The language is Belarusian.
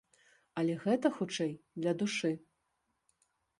Але гэта, хутчэй, для душы.